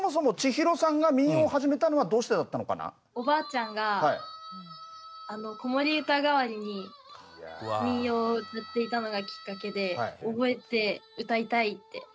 おばあちゃんが子守唄代わりに民謡を歌っていたのがきっかけで覚えてうたいたいってなりました。